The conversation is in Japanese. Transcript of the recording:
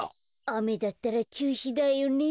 あめだったらちゅうしだよね。